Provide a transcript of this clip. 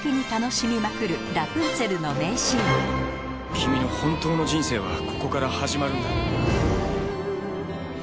君の本当の人生はここから始まるんだ。